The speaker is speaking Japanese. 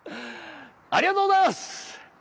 ありがとうございます！